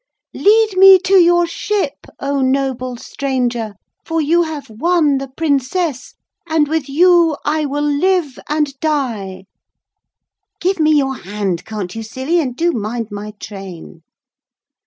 Lead me to your ship, oh noble stranger! for you have won the Princess, and with you I will live and die. Give me your hand, can't you, silly, and do mind my train.'